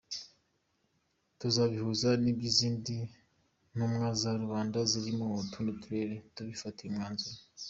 Tuzabihuza n’iby’izindi ntumwa za rubanda ziri mu tundi turere, tubifatire umwanzuro.